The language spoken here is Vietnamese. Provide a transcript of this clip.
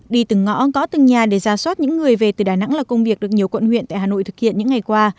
đi từng ngõ có từng nhà để ra soát những người về từ đà nẵng là công việc được nhiều quận huyện tại hà nội thực hiện những ngày qua